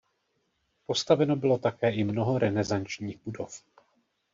Postaveno bylo také i mnoho renesančních budov.